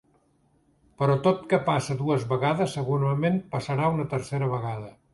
Però tot que passa dues vegades segurament passarà una tercera vegada.